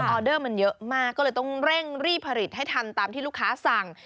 อเดอร์มันเยอะมากก็เลยต้องเร่งรีบผลิตให้ทันตามที่ลูกค้าสั่ง